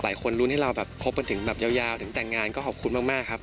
หลายคนลุ้นให้เราแบบคบกันถึงแบบยาวถึงแต่งงานก็ขอบคุณมากครับ